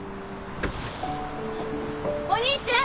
お兄ちゃん！